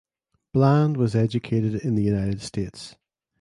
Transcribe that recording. Bland was educated in the United States.